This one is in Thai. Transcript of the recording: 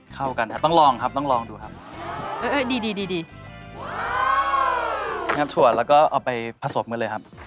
เข้ากันอ่ะต้องลองครับต้องลองดูครับดีดีงามถั่วแล้วก็เอาไปผสมกันเลยครับ